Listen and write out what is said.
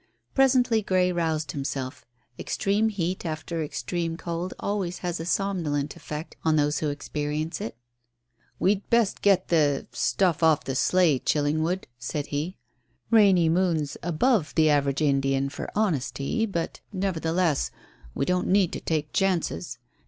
Presently Grey roused himself. Extreme heat after extreme cold always has a somnolent effect on those who experience it. "We'd best get the stuff off the sleigh, Chillingwood," said he. "Rainy Moon's above the average Indian for honesty, but, nevertheless, we don't need to take chances.